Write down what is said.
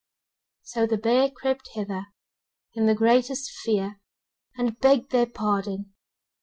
So the bear crept thither in the greatest fear, and begged their pardon.